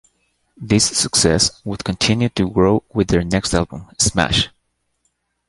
This success would continue to grow with their next album, "Smash".